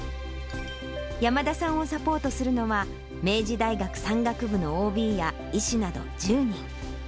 山田さんをサポートするのは、明治大学山岳部のＯＢや医師など１０人。